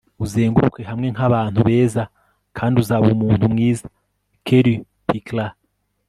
uzenguruke hamwe n'abantu beza kandi uzaba umuntu mwiza. - kellie pickler